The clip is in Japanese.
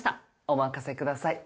お任せください。